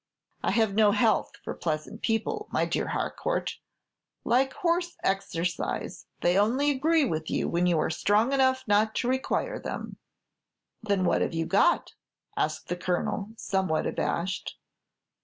"I have no health for pleasant people, my dear Harcourt; like horse exercise, they only agree with you when you are strong enough not to require them." "Then what have you got?" asked the Colonel, somewhat abashed.